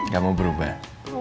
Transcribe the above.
gak mau berubah